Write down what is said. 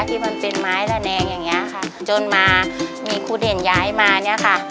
ที่มันเป็นไม้ระแนงอย่างเงี้ยค่ะจนมามีครูเด่นย้ายมาเนี้ยค่ะ